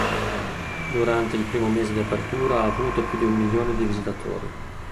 Durante il primo mese di apertura ha avuto più di un milione di visitatori.